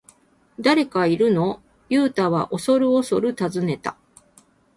「誰かいるの？」ユウタはおそるおそる尋ねた。